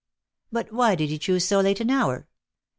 "But why did he choose so late an hour?"